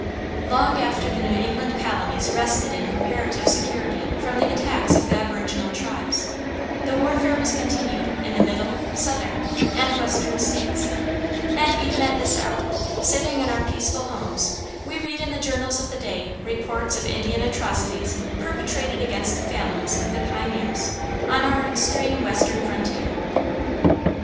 Long after the New England colonies rested in comparative security from the attacks of the aboriginal tribes, the warfare was continued in the Middle, Southern, and Western States, and even at this hour, sitting in our peaceful homes we read in the journals of the day reports of Indian atrocities perpetrated against the families of the pioneers on our extreme western frontier.